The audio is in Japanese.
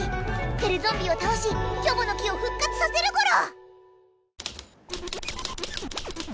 テレゾンビをたおしキョボの木をふっ活させるゴロ！